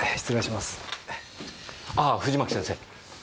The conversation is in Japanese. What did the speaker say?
ああ藤巻先生！